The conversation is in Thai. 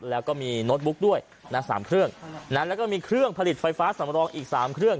แล้วก็มีโน้ตบุ๊กด้วยนะสามเครื่องนั้นแล้วก็มีเครื่องผลิตไฟฟ้าสำรองอีกสามเครื่อง